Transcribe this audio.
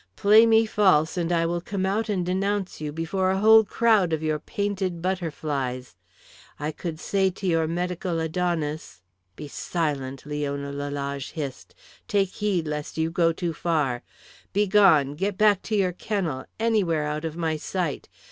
Play me false, and I will come out and denounce you before a whole crowd of your painted butterflies. I could say to your medical Adonis " "Be silent," Leona Lalage hissed, "take heed lest you go too far. Begone, get back to your kennel, anywhere out of my sight.